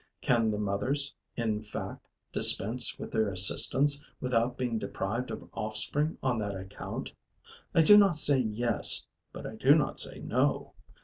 Can the mothers, in fact, dispense with their assistance, without being deprived of offspring on that account? I do not say yes, but I do not say no.